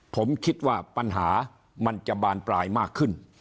ผมคิดว่าปัญหามันจะบานปลายมากขึ้น